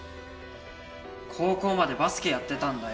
高校までバスケやってたんだよ。